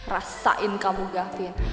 rasain kamu gafin